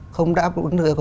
không đáp ứng nữa